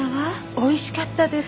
おいしかったです。